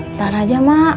ntar aja mak